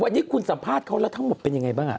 วันนี้คุณสัมภาษณ์เขาแล้วทั้งหมดเป็นยังไงบ้าง